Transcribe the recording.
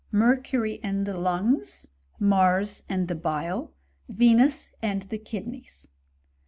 Mercury and the lungs, Mars and the bile, Venus and the kidneys.